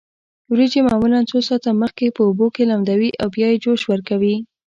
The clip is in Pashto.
وریجې معمولا څو ساعته مخکې په اوبو کې لمدوي او بیا یې جوش ورکوي.